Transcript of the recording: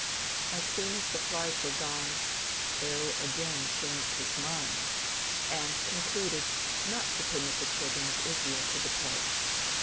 As soon as the flies were gone, Pharaoh again changed his mind, and concluded not to permit the children of Israel to depart.